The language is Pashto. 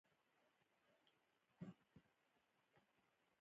د ژمی ساړه د قدرت یو نظام دی.